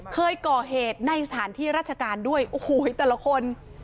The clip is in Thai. เคยก่อเหตุในสถานที่ราชการด้วยโอ้โหแต่ละคน